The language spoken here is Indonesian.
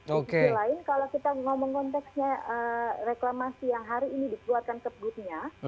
di sisi lain kalau kita ngomong konteksnya reklamasi yang hari ini dikeluarkan kebutnya